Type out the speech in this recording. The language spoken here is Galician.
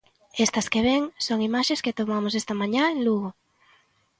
Estas que ven son imaxes que tomamos esta mañá en Lugo.